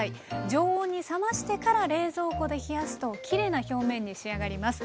常温に冷ましてから冷蔵庫で冷やすときれいな表面に仕上がります。